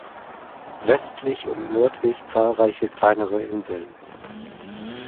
Westlich und nördlich zahlreiche kleinere Inseln.